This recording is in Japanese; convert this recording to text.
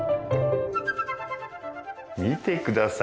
見てください